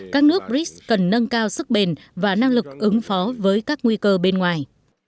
các nước brics cần nâng cao sức bền và năng lực ứng phó với các nguy cơ bên ngoài